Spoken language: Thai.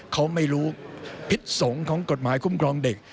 เขาไม่รู้พิษสงฆ์ของกฎหมายคุ้มครองเด็ก